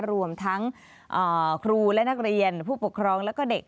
รวมทั้งครูและนักเรียนผู้ปกครองแล้วก็เด็ก